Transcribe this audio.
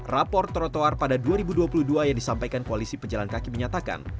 rapor trotoar pada dua ribu dua puluh dua yang disampaikan koalisi pejalan kaki menyatakan